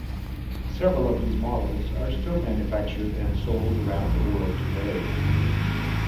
Several of these models are still manufactured and sold around the world today.